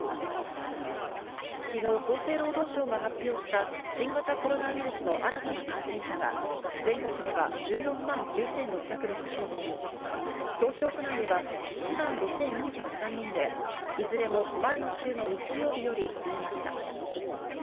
昨日、厚生労働省が発表した新型コロナウイルスの新たな感染者は、全国では１４万９６６５人、東京都内では１万５４０３人で、いずれも前の週の日曜日より増えました。